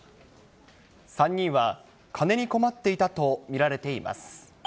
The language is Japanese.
３人は、金に困っていたと見られています。